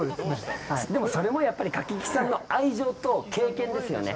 でも、それも柿木さんの愛情と経験ですよね。